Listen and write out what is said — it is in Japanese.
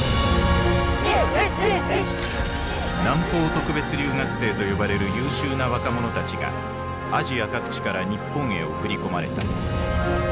南方特別留学生と呼ばれる優秀な若者たちがアジア各地から日本へ送り込まれた。